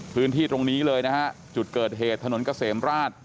พื้นที่ตรงนี้เลยนะฮะจุดเกิดเหตุถนนเกษมราช